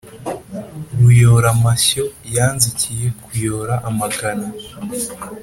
ruyoramashyo yanzikiye kuyora amagana.